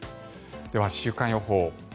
では、週間予報。